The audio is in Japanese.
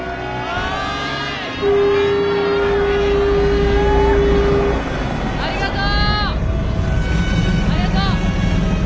ありがとう！